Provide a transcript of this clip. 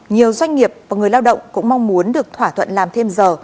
nhiều doanh nghiệp và người lao động cũng mong muốn được thỏa thuận làm thêm giờ